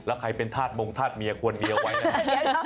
แล้วใครเป็นธาตุมงธาตุเมียควรเมียไว้นะครับ